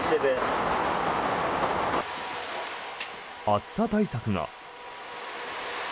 暑さ対策が。